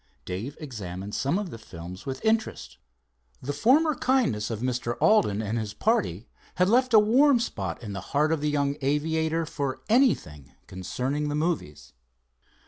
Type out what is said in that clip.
Dave examined some of the films with interest. The former kindness of Mr. Alden and his party had left a warm spot in the heart of the young aviator for anything concerning the movies.